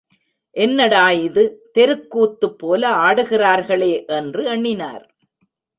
என்னடா இது, தெருக்கூத்து போல ஆடுகிறார்களே என்று எண்ணினர்.